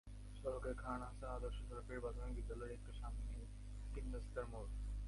সড়কের খান হাসান আদর্শ সরকারি প্রাথমিক বিদ্যালয়ের একটু সামনেই তিন রাস্তার মোড়।